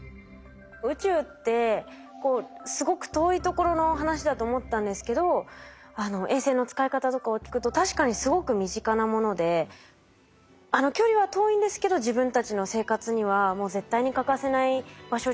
宇宙ってすごく遠いところの話だと思ってたんですけど衛星の使い方とかを聞くと確かにすごく身近なもので距離は遠いんですけど自分たちの生活にはもう絶対に欠かせない場所じゃないですか。